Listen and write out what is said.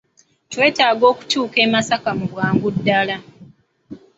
Twetaaga okutuuka e Masaka mu bwangu ddala.